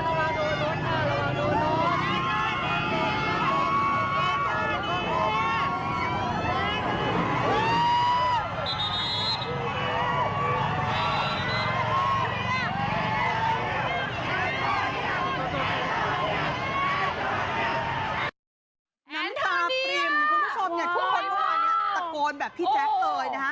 น้ำตาปริมคุณผู้ชมนะทุกคนด้วยตะโกนแบบพี่แจ๊คเลยนะฮะ